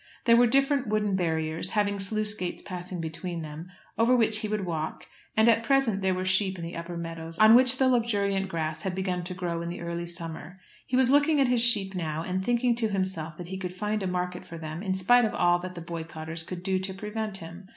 There were different wooden barriers, having sluice gates passing between them, over which he would walk, and at present there were sheep on the upper meadows, on which the luxuriant grass had begun to grow in the early summer. He was looking at his sheep now, and thinking to himself that he could find a market for them in spite of all that the boycotters could do to prevent him.